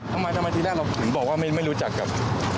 ทำไมที่แรกบอกว่าไม่รู้จักกับ